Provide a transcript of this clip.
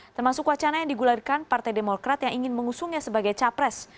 termasuk wacana yang digulirkan partai demokrat yang ingin mengusungnya sebagai capres